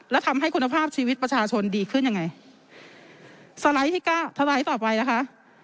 และทำให้คุณภาพชีวิตประชาชนดีขึ้นยังไงสไลด์ที่เก้าสไลด์ต่อไปนะคะ